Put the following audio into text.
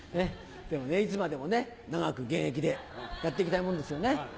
でもねいつまでも長く現役でやっていきたいもんですよね。